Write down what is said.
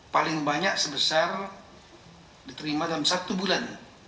paling banyak sebesar diterima dalam satu bulan